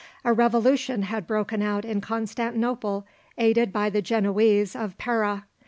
A revolution had broken out in Constantinople, aided by the Genoese of Pera.